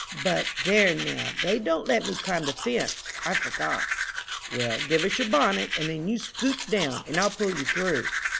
But there, now, they don't let me climb the fence I forgot." "Well, give us your bonnet, and then you 'scooch' down, and I'll pull you through."